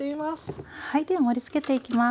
はいでは盛りつけていきます。